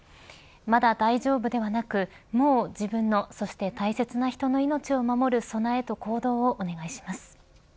まだ大丈夫ではなくもう自分の、そして大切な人の命を守る備えと行動をお願いします。